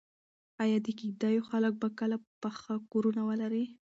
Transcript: ایا د کيږديو خلک به کله پاخه کورونه ولري؟